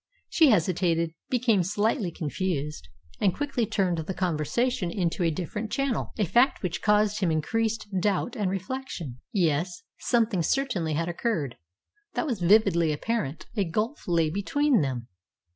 She hesitated, became slightly confused, and quickly turned the conversation into a different channel, a fact which caused him increased doubt and reflection. Yes, something certainly had occurred. That was vividly apparent. A gulf lay between them.